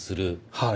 はい。